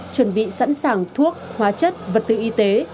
chuẩn bị sẵn sàng thuốc hóa chất vật tư y tế